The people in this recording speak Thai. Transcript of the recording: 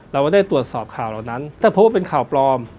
เราได้ตรวจสอบข่าวเหล่านั้นถ้าพบว่าเป็นข่าวปลอม